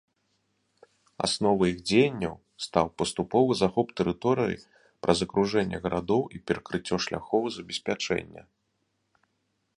Асновай іх дзеянняў стаў паступовы захоп тэрыторыі праз акружэнне гарадоў і перакрыццё шляхоў забеспячэння.